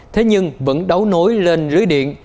thế nhưng vẫn đấu nối lên lưới điện